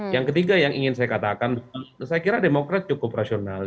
yang ketiga yang ingin saya katakan saya kira demokrat cukup rasional